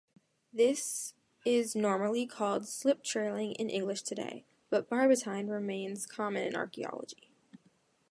This is normally called slip-trailing in English today, but "barbotine" remains common in archaeology.